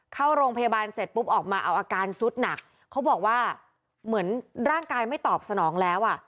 เข้าโรงพยาบาลเสร็จปุ๊บออกมาเอาอาการสุดหนักเขาบอกว่าเหมือนร่างกายไม่ตอบสนองแล้วอ่ะ